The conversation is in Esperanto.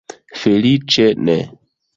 Feliĉe ne.